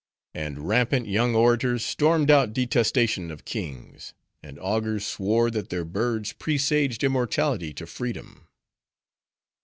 And rampant young orators stormed out detestation of kings; and augurs swore that their birds presaged immortality to freedom.